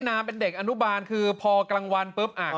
มีนาเป็นเด็กอนุบาลคือพอกลางวันปุ๊บอ่ะอ่า